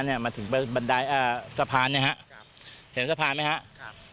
เนี้ยมาถึงบันไดอ่าสะพานนะฮะเห็นสะพานไหมฮะครับ